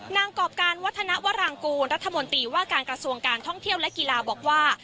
กรอบการวัฒนวรางกูลรัฐมนตรีว่าการกระทรวงการท่องเที่ยวและกีฬาบอกว่า